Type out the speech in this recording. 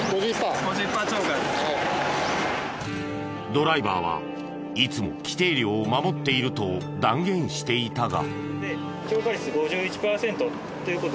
ドライバーはいつも規定量を守っていると断言していたが。